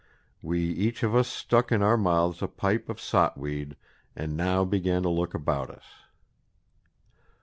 We each of us stuck in our mouths a pipe of sotweed, and now began to look about us."